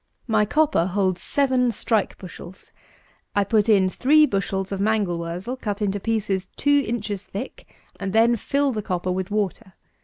My copper holds seven strike bushels; I put in three bushels of mangel wurzel cut into pieces two inches thick, and then fill the copper with water.